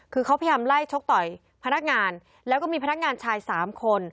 คือเขาพยายามไล่ชกต่อยพนักงานแล้วก็มีพนักงานชาย๓คน